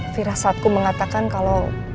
fira saatku mengatakan kalau